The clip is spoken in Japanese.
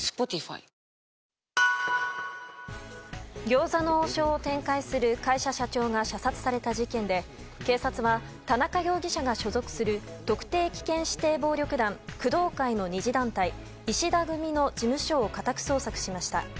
餃子の王将を展開する会社社長が射殺された事件で警察は田中容疑者が所属する特定危険指定暴力団工藤会の２次団体石田組の事務所を家宅捜索しました。